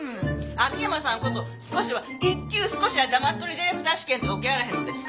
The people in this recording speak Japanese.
秋山さんこそ少しは一級少しは黙っとれディレクター試験とか受けられへんのですか？